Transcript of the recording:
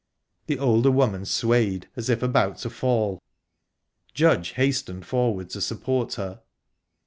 The older woman swayed, as if about to fall. Judge hastened forward to support her.